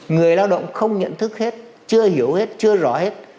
người lao động không nhận thức hết chưa hiểu hết chưa rõ hết